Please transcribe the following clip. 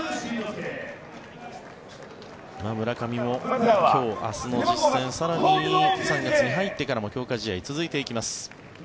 村上も今日明日の実戦そして３月に入ってからも続いていきます。